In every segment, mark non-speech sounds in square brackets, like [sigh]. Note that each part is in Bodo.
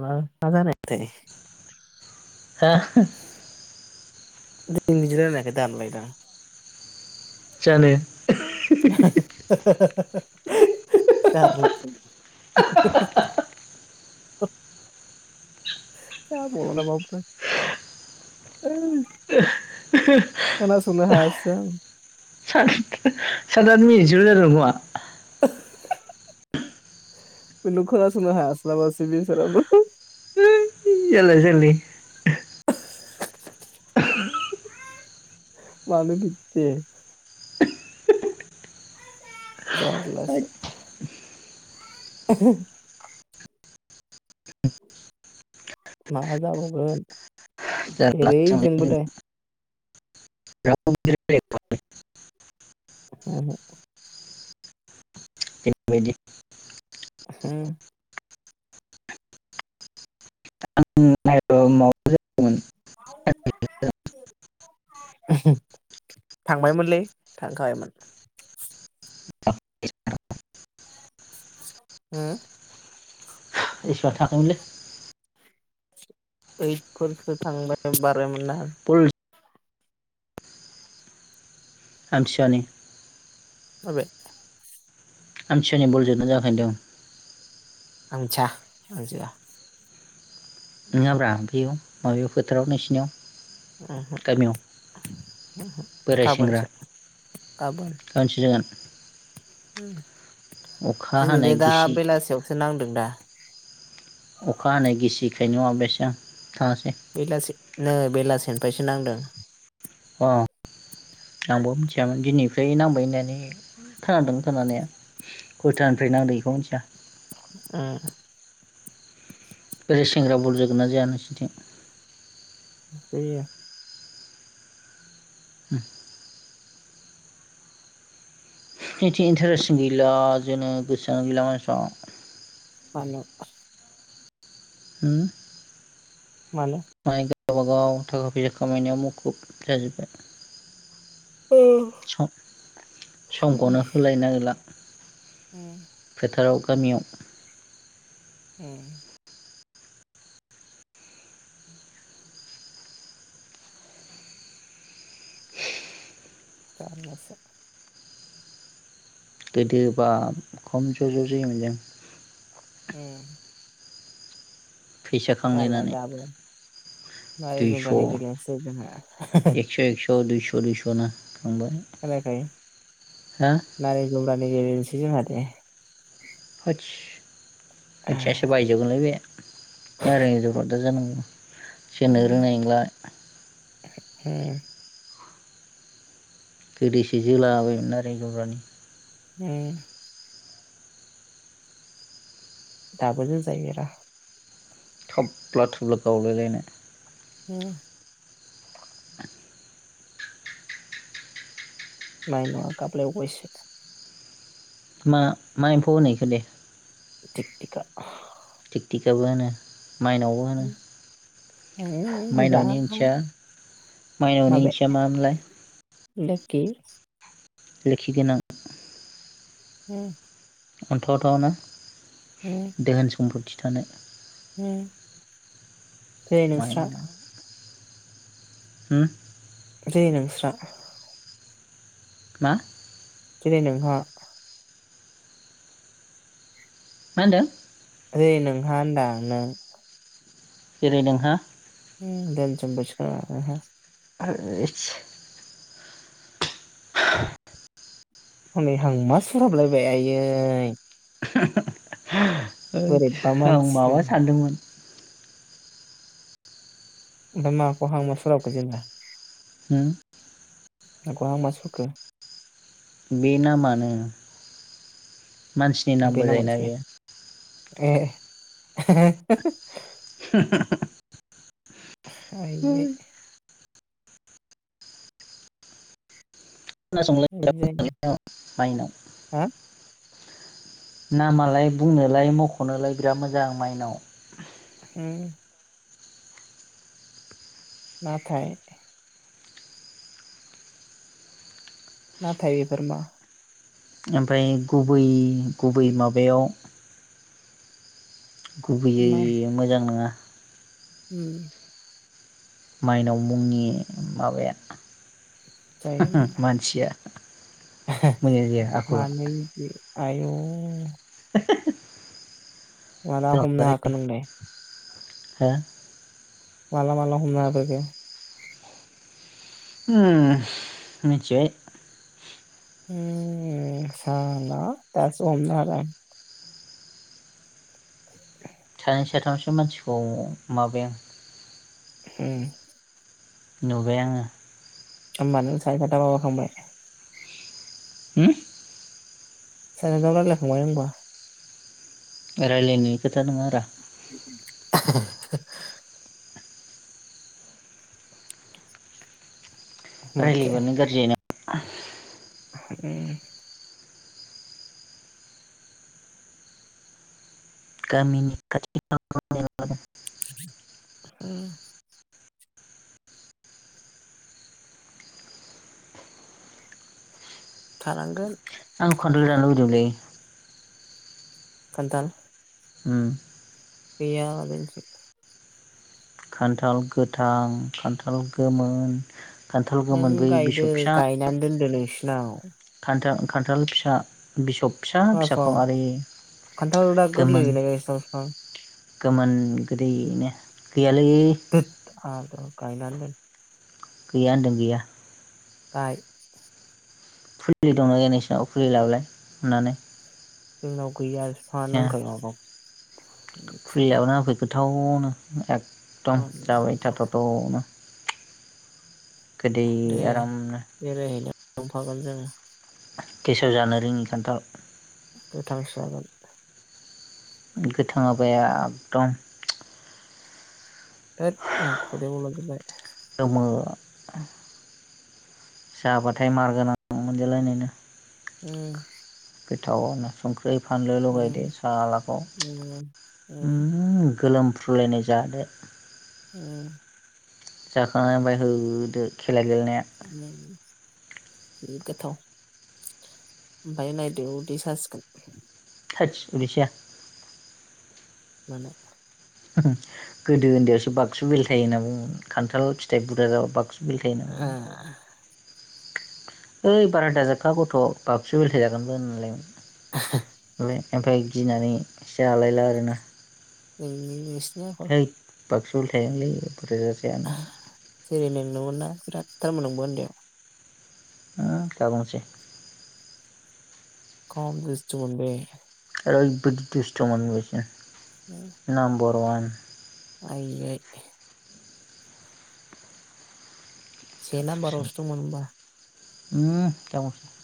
मा माजानाय थाय हा [unintelligible] बिदि रायलायनायखाय दानबाय दां। जानो [unintelligible] जारलासो जाबावला नामा ओमफ्राय? ओय [inaudible] खोनासंनो हायासैदां [unintelligible] साथाथ [unintelligible] मिस जाथांगौा [inaudible] नों खोनासंनो हास्लााबासै बेसाराफोर जाला जालि मानो बिदि जारलासो [inaudible] माबा जाबावगोन जेरै जोंबो दाय [inaudible] [inaudible] ओहुं जोंबायदि हुं आं नायबा माबा जादोंमोन [inaudible] थांबायमोनलै थांखाबायमोन। हो एसा थाङाखैमोनलै ओइदफोर फो थांबा बारोमोनना पुल आमथिसुवानि माबे आमथिसुवानि बल जोदोंना जोआखै होनदों। आं मिथिया आं जोआ नङाब्रा बेयाव माबायाव फोथाराव नोंसिनियाव। उहो गामियाव उहो बोराय सेंग्रा गाबोनसो गाबोन गाबोनसो जागोन अखा हानाय दिनैलाय दा गिसि बेलासियावसो नांदों दा। अखा हानाय गिसिखायनो माबायासै आं थाङासै। बेलासेनो बेलासेनिफ्रायसो नांदो अ आंबो मिथियामोन दिनैफ्राय नांबाय होननानै खोनादों खोनानाया। खैथानिफ्राय नांदों बेखौ मिथिया उ बेै सेंग्रा बल जोगोन ना जोया नोंसोरथिं? जोयो। [inaudible] बिथि इन्टारेस गैला जोंनो गोसोआ गैला मानसिफ्रा। मानो हो मानो? मालाय गावबागाव थाखा फैसा खामायनायाव मुखुब जाजोब्बाय। [unintelligible] सम समखौनो होलायनो नागिरला। उम फोथाराव गामियाव। उ जारलासो। गोदो बा खम ज' ज' जायोमोन जों। उम फैसा खांलायनानै। माय दुइस' जुमब्रानि [unintelligible] औ दुइस' दुइस' नो खांबाय। खोनायाखै हा नारें जुमब्रानि गेजेनोसै जोंहा दे? होत्स आयथिंयासो बायजोबगोनलै बे नारें जुमब्रानि [unintelligible] जानांगौ जोनो उम रोंनाय नोंलाय? [unintelligible] गोदोसो जोला बायोमोन नारें जुमब्रानि। उम दाबो जोजायो‌ रा। थाब्ला थुब्ला गावलायलायनाय। उम नायना गाबलाय बावबाय सो मा मा एम्फौ होनो एखो दे? थिखथिखा। थिखथिखाबो होनो‌ माइनावबो होनो माइनावनि ओंथिया [unintelligible] [unintelligible] माइनावनि माबे ओंथिया मामोनलाय लोखि। लोखि गोनां उम अन्थाव थावनो। उम दोहोन सम्पथि थानाय उम दे नोंस्रा माइनाव [unintelligible] जे नोंस्रा मा? दिनै नोंहा मा होनदों? [unintelligible] नोंहा होनदां नों। जेरै नोंहा [unintelligible] [unintelligible] [unintelligible] हनै हांमा सुरहाबलायबाय आयै। बोरैबा [unintelligible] आं मानसिलै माबा सानदोंमोन। ओमफ्राय माखौ हांमा सुरहाबखो जेनेबा? हम। माखौ हांमा सुरखो? बे नामानो। मानसिनि नामबो जायोना बेयो [unintelligible] [unintelligible] [unintelligible] खोनासंलाय [unintelligible] माइनाव हो नामालाय बुंनोलाय मख'नोलाय बिराद मोजां माइनाव। उम नाथाय नाथाय इफोरमा? ओमफ्राय गुबै गुबै माबायाव मा गुबैयै मोजां नङा। उम माइनाव मुंनि माबाया जायो मानसिया मोजां जाया आखला। ए आयौ [unintelligible] माला हमनो हाखो नोंलाय [unintelligible] हो माला मला हमनो हाफेरखो? मिथिबाय उम साला दासो हमनो हाबाय। [unintelligible] सानै साथामसो मानसिखौ माबाय आं उम नुबाय आङो। होनबा नों सानै साथाम माबा खांबाय? उम सानै साथाम रायज्लायखांबाय होनबा? रायलायनायनि खोथा नङा रा। [unintelligible] माथो रायलायबोनो गाज्रि जायोना उम गामिनि खाथि [unintelligible] [unintelligible] थानांगोन। आंखौ खान्थाल जानो लुबैदों मोन लै। खान्थाल? उम गैया जोंथिं। खान्थाल गोथां खान्थाल गोमोन। खान्थाल नों गोमोन बै गायदो बिसब गायनानै दोनदो नोंसिनाव। खान्थाल-खान्थाल फिसा बिसब फिसा खोनासं फिसाखौ आरो खान्थाल दा गोरलै गोमोन गायनाय बिफां बिफां गोमोन गोदैनो। गैयालायै [unintelligible] गैया होनदों गैया। गाय। फुलि दंना गैया नोंसिनाव फुलि लाबोलाय अननानै। जोंनाव गैया। बिफाङानो होनखायो माबा फुलियाबनो आ फै गोथावनो ए। एदम जाबाय थाथाव'थाव'नो। गोदै दे आरामनो। बेरायहैनो थांफागोन जों गेसाव जानो रोङि खान्थाल। गोथांसो जागोन गोथाङाबाया एकदम। थोद आं खुदै मलजोबाय। जोमो। जाबाथाय मार गोनां मोनजालायनायनो। ओम गोथावनो। संखै फानलु उम लगायदो सालाखौ उम उम ओम गोलोम। फ्रुलायनाय जादो। ओम जाखांना ओमफाय होदो खेला गेले‌नाया। [inaudible] जि गोथाव ओमफ्राय नायदो उदै ससिगोन। थोदस उदै साया माने। गोदो ओन्दैयावसो बाक्सु बिलथाय होनना बुङोमोन खान्थाल फिथाइ बुरजा जाबा बागसु बिलथाय। ओ ओइ बारादा जाखा गथ' बाक्सु बेलथाय जागोनबो होनलाय। [unintelligible] ओमफाय गिनानै जालायला आरोना [unintelligible] है बाक्सु बेलथायगोनलै बुरजा जाजाया होननानै से नोंनोमोना बिराथ थारमोन नोंबो उन्दैयाव ओ दाबुंसै खाम दुस्थ मोनबे। ओरैबायदि दुस्थ मोन होनबायसै [inaudible] नाम्बर वान। आयै। से नाम्बारावसो दंमोन होनबा। ओम दाबुंसै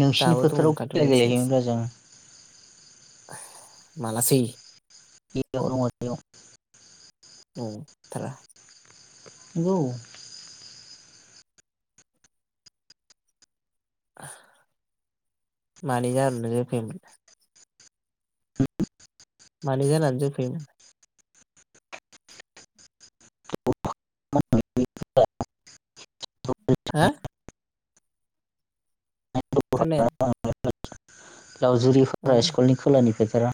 नोंसिनि दाबो दं फोथाराव ओंखायनोथ खेला एसे एसे गेलेहैयोमोनब्रा मालासै [unintelligible] नंथारा नंगौ मानि [unintelligible] [unintelligible] मानि जानानै जों फैयोमोन हो खोनाया [unintelligible] लावजुरिफोरा उम स्कुलनि खोलानि फोथारा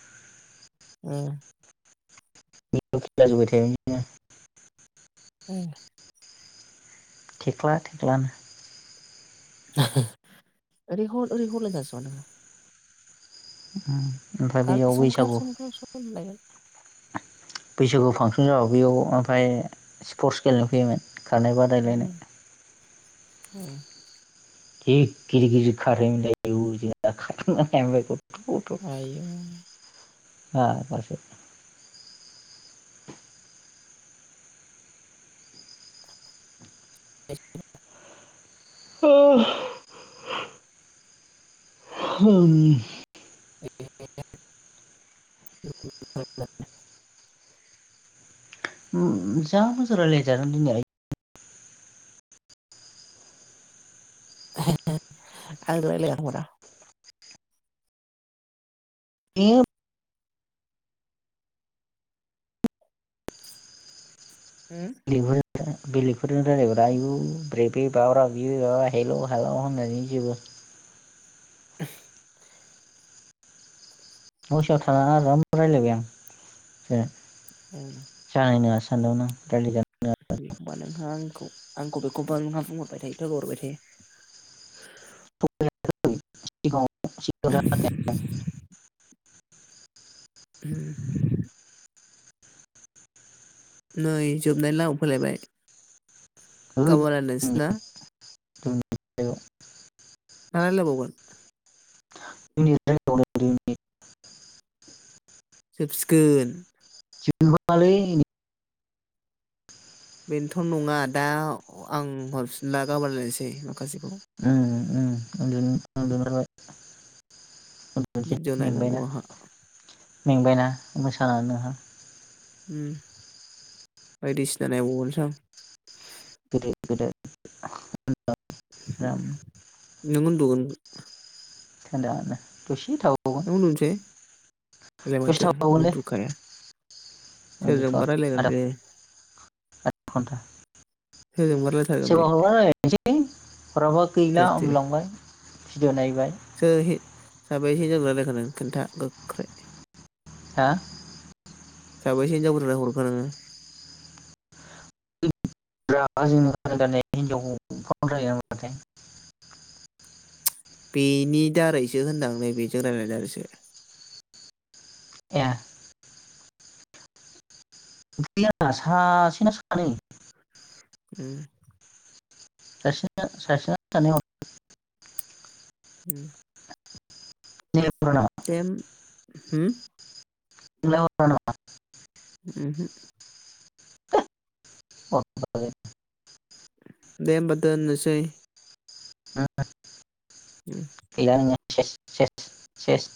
उम [unintelligible] [unintelligible] थेख्ला थेख्लानो रिहल रिहल दास'ना ओमफाय बेैयाव बैसागु हबाय बैसागु फांसन जाबो बेयाव ओमफ्राय स्पर्टस गेलेनो फैयोमोन खारनाय बादाय औ जि गिदिर गिदिर खारें मोनलाय आयौ [unintelligible] हा ए अ ह ए जा मोजां रायलायजादों दिनै [unintelligible] ए ह बेलेगफोरजों रायलायबाय आयु ब्रेबे ब्रा ब्रा हेल' हालाव होननानै जोबो न' सिंयाव थानानै आराम रायज्लायबाय आं हरा जानाय नङासो सानदोंमोन आं रायलायजागो बेखबा नोंहा आंखौ आंखौ बेखौबा नोंहा बुंहरबाय थायो लोगो हरबाय थायो [unintelligible] ह नै जोबनाय लामायाव फैलायबाय गाबोन सिगाङाव रायलायसैना [unintelligible] [unintelligible] सोबसिगोन जोबथ आलै बेनोथ' नङा दा आं हरफिनला गाबोन लायनोसै माखासेखौ ओ नो भिडिअ नायनांगौ मेंबायना आंहा मेंबायना मोसानानै नोंहा बायदिसिना नायबावगोनसो आं गिदिर गिदिर नों उन्दगोन [unintelligible] दुसि थाव नों ओन्दुनोसै? बेलाय दसे माथो ओन्दुखाया। ओन्दुथआ थआ र आरो एक घन्टा। सोरजोंबा रायलायथारगोन बे सोरबा हरबा रायज्लायनोसै हराबा गैला ओन्दुलांबाय। भिडिअ नायबाय [unintelligible] खिन्था गोख्रै हा? साबैसे हिनजावफोरनो हरखो नोङो? दा जोंनि [unintelligible] बेनि दारैसो होनदां नै बे जों रायलायनाय दारैसो ए। गैया सासेना सानै। उम दासो सासेना सानै हरदों। उम [unintelligible] तेन ह [unintelligible] [unintelligible] उमहो [inaudible] [inaudible] दे होमबा दोननोसै। [unintelligible] उम गैला नोङो सेस सेस सेस।